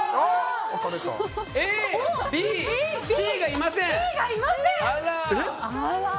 Ｃがいません。